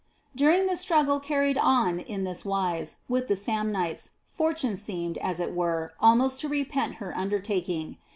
During the struggle carried on in this wise with the Sam nites. Fortune seemed, as it were, almost to re pent of her undertaking.